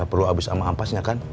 gak perlu habis sama ampas ya kan